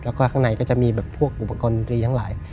แล้วก็ข้างในก็จะมีแบบพวกอุปกรณ์ดรีทั้งหลาย